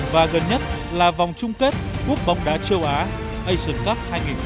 và gần nhất là vòng chung kết quốc bóng đá châu á asian cup hai nghìn một mươi chín